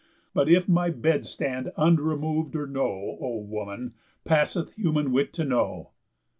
But if my bed stand unremov'd or no, O woman, passeth human wit to know."